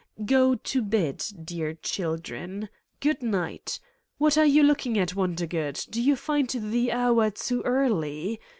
Go to bed, dear children. Good night. What are you looking at, Wondergood : do you find the hour too early?